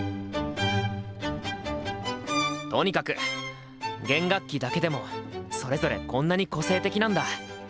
とにかく弦楽器だけでもそれぞれこんなに個性的なんだ。